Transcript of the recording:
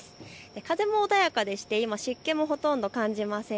風も穏やかでして今、湿気もほとんど感じません。